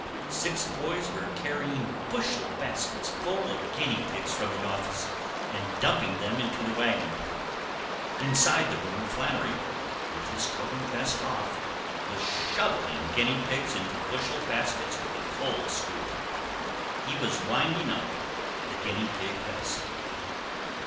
Six boys were carrying bushel baskets full of guinea pigs from the office and dumping them into the wagon. Inside the room Flannery, with' his coat and vest off, was shoveling guinea pigs into bushel baskets with a coal scoop. He was winding up the guinea pig episode.